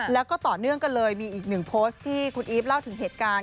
แล้วก็ต่อเนื่องกันเลยมีอีกหนึ่งโพสต์ที่คุณอีฟเล่าถึงเหตุการณ์